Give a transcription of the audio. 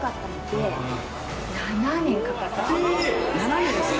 ７年ですか！？